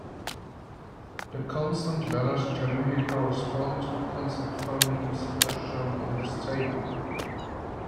The consonant letters generally correspond to the consonant phonemes as shown in this table.